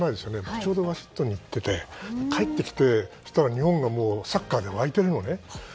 ちょうどワシントンに行ってて帰ってきたら日本がサッカーで沸いているのね。